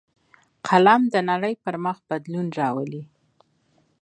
قلم د نړۍ پر مخ بدلون راولي